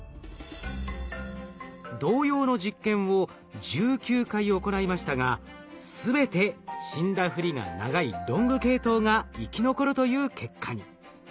同様の実験を１９回行いましたが全て死んだふりが長いロング系統が生き残るという結果に。